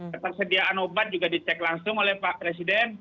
ketersediaan obat juga dicek langsung oleh pak presiden